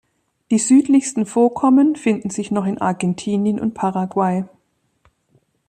Die südlichsten Vorkommen finden sich noch in Argentinien und Paraguay.